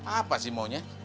apa sih maunya